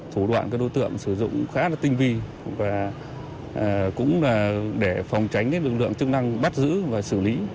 thủ đoạn các đối tượng sử dụng khá là tinh vi và cũng là để phòng tránh lực lượng chức năng bắt giữ và xử lý